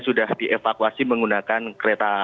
sudah dievakuasi menggunakan kereta